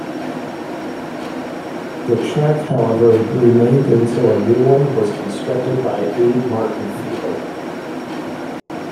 The track, however, remained until a new one was constructed by Abe Martin Field.